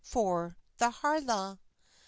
for the Harlaw.